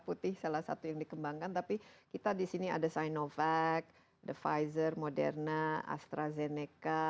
putih salah satu yang dikembangkan tapi kita di sini ada sinovac the pfizer moderna astrazeneca